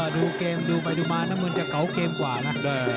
ดูมาดูมาน้ำมือจะเขาเกมกว่านะ